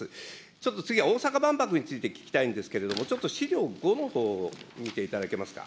ちょっと次は大阪万博について聞きたいんですけれども、ちょっと資料５のほうを見ていただけますか。